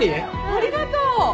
ありがとう。